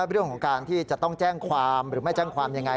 เรื่องของการที่จะต้องแจ้งความหรือไม่แจ้งความยังไง